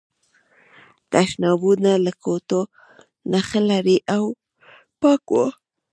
تشنابونه له کوټو نه ښه لرې او پاک وو.